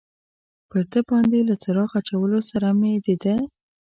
پر ده باندې له څراغ اچولو سره مې د ده.